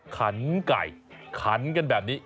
ขันไก่ขันกันแบบนี้